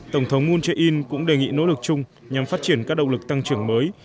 tổng thống moon jae in cũng đề nghị nỗ lực chung nhằm phát triển các động lực tăng trưởng mới